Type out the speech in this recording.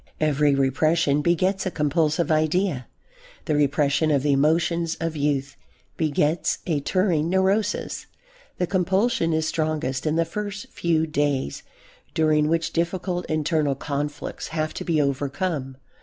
Every repression begets a compulsive idea. The repression of the emotions of youth begets a touring neurosis. The compulsion is strongest in the first few days during which difficult internal conflicts have to be overcome.